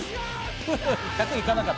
１００いかなかった。